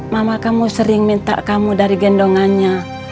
mama kamu sering minta kamu dari gendongannya